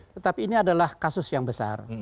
tetapi ini adalah kasus yang besar